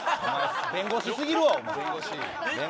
弁護士すぎるわ。